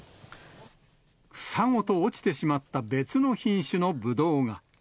房ごと落ちてしまった別の品種のブドウが。